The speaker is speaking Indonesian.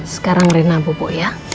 sekarang rina bubu ya